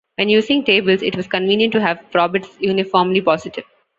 When using tables, it was convenient to have probits uniformly positive.